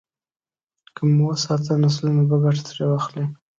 که مو وساتله، نسلونه به ګټه ترې واخلي.